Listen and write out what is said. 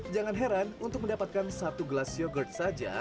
jangan heran untuk mendapatkan satu gelas yogurt saja